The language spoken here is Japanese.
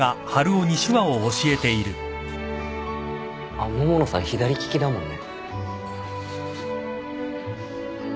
あっ桃野さん左利きだもんね。